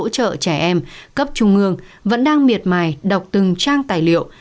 trẻ em cấp trung ương vẫn đang miệt mài đọc từng trang tài liệu